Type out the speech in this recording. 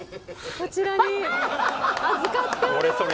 こちらに預かっております。